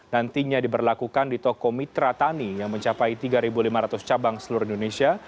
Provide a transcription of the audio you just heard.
nantinya diberlakukan di toko mitra tani yang mencapai tiga lima ratus cabang seluruh indonesia